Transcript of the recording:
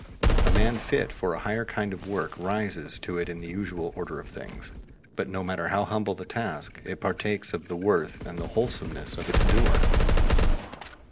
A man fit for a higher kind of work rises to it in the usual order of things; but no matter how humble the task, it partakes of the worth and wholesomeness of its doer.